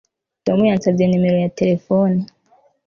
Tom yansabye nimero ya terefone